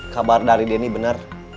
kabar dari denny bener